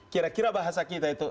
kira kira bahasa kita itu